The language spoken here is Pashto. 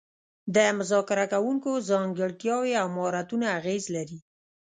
د مذاکره کوونکو ځانګړتیاوې او مهارتونه اغیز لري